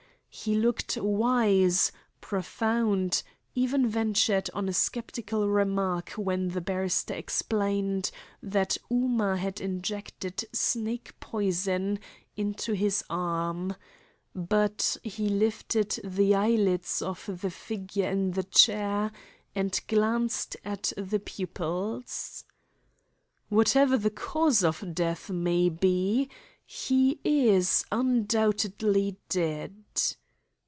He looked wise, profound, even ventured on a sceptical remark when the barrister explained that Ooma had injected snake poison into his arm. But he lifted the eyelids of the figure in the chair and glanced at the pupils. "Whatever the cause of death may be, he is undoubtedly dead!"